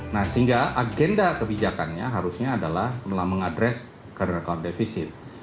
nah sehingga agenda kebijakannya harusnya adalah mengadres karenakan defisit